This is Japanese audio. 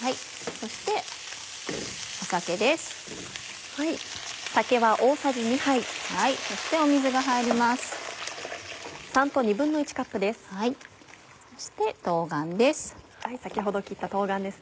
そして冬瓜です。